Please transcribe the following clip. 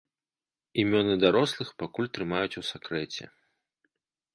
Імёны дарослых пакуль трымаюць у сакрэце.